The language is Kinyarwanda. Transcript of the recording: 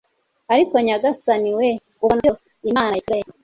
ariko nyagasani, we ubona byose, imana ya israheli